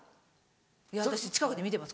いや私近くで見てます